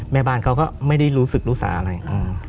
แม่บ้านเขาก็ไม่ได้รู้สึกรู้สาอะไรอืม